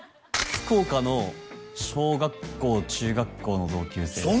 福岡の小学校中学校の同級生です